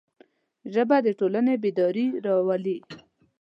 ژبه د ټولنې بیداري راولي